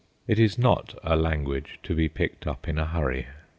It is not a language to be picked up in a hurry.